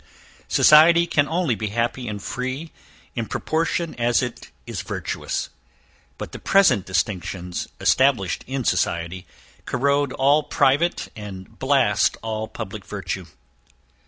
Society can only be happy and free in proportion as it is virtuous; but the present distinctions, established in society, corrode all private, and blast all public virtue.